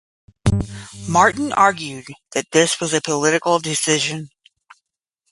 Martin argued that this was a political decision.